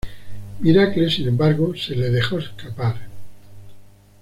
Miracle sin embargo, se le dejó escapar.